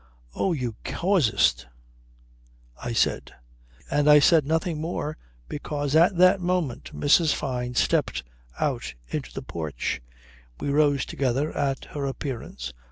"Oh, you casuist!" I said. And I said nothing more because at that moment Mrs. Fyne stepped out into the porch. We rose together at her appearance.